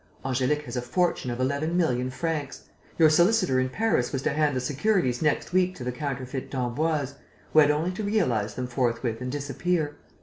"Angélique has a fortune of eleven million francs. Your solicitor in Paris was to hand the securities next week to the counterfeit d'Emboise, who had only to realize them forthwith and disappear.